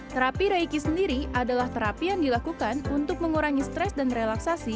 terapi raiki sendiri adalah terapi yang dilakukan untuk mengurangi stres dan relaksasi